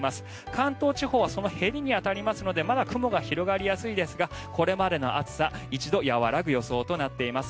関東地方はそのへりに当たりますのでまだ雲が広がりやすいですがこれまでの暑さ一度和らぐ予想となっています。